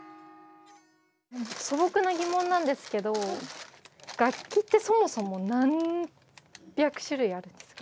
素朴な疑問なんですけど楽器ってそもそも何百種類あるんですか？